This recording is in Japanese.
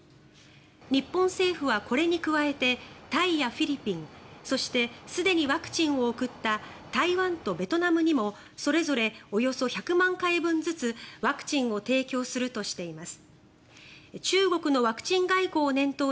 日本政府はこれに加えてタイやフィリピンそして、すでにワクチンを送った台湾とベトナムにもそれぞれおよそ１００万回分ずつワクチンを提供するとしています。